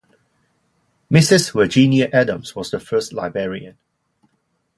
Mrs. Virginia Adams was the first librarian.